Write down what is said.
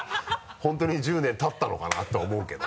本当に１０年たったのかな？とは思うけど。